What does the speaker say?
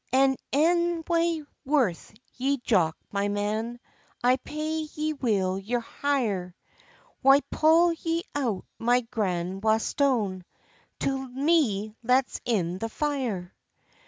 "And e'en wae worth ye, Jock, my man, I paid ye weel your hire; Why pull ye out my grund wa' stane, To me lets in the fire?"